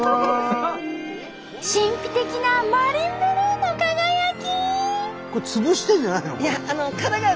神秘的なマリンブルーの輝き！